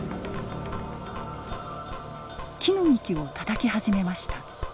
木の幹をたたき始めました。